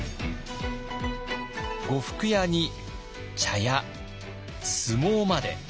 呉服屋に茶屋相撲まで。